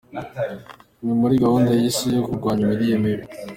Ni muri gahunda yahize yo ku rwanya imirire mibi.